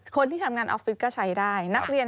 คนที่ทำงานออฟฟิศก็ใช้ได้